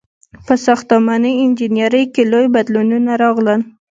• په ساختماني انجینرۍ کې لوی بدلونونه راغلل.